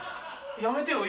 やめてよ